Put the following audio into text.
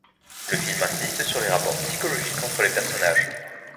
Le film insiste sur les rapports psychologiques entre les personnages.